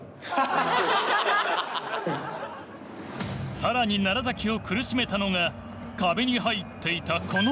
更に崎を苦しめたのが壁に入っていたこの男。